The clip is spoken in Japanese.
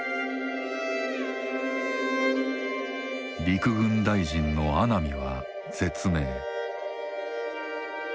陸軍大臣の阿南は絶命。